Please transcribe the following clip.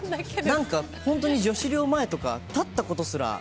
何かホントに女子寮前とか立ったことすら。